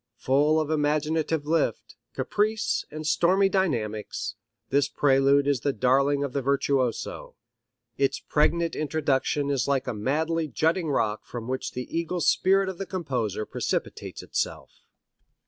Full of imaginative lift, caprice and stormy dynamics, this prelude is the darling of the virtuoso. Its pregnant introduction is like a madly jutting rock from which the eagle spirit of the composer precipitates itself.